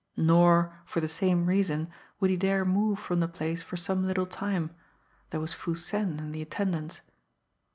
Nor, for the same reason, would he dare move from the place for some little time there was Foo Sen and the attendants.